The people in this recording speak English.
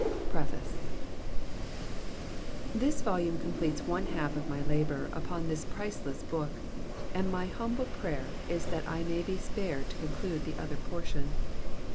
PREFACE. This volume completes one half of my labour upon this priceless book, and my humble prayer is that I may be spared to conclude the other portion.